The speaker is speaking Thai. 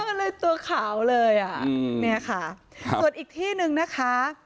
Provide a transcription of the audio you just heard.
ก็เลยตัวขาวเลยอ่ะเนี่ยค่ะส่วนอีกที่หนึ่งนะคะ